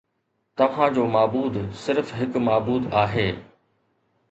توهان جو معبود صرف هڪ معبود آهي